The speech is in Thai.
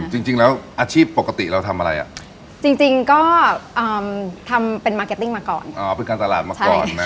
จริงแล้วอาชีพปกติเราทำอะไรอ่ะจริงจริงก็ทำเป็นมาร์เก็ตติ้งมาก่อนอ๋อเป็นการตลาดมาก่อนนะ